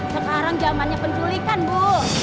sekarang zamannya penculikan bu